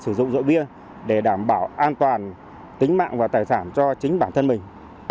sử dụng rượu bia để đảm bảo an toàn tính mạng và tài sản cho chính bản thân mình